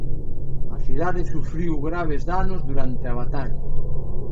A cidade sufriu graves danos durante a batalla.